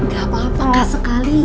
gak apa apa kak sekalian